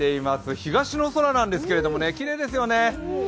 東の空なんですけれどもねきれいですね。